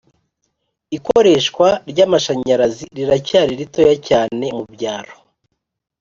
ikoreshwa ry'amashanyarazi riracyari ritoya cyane mu byaro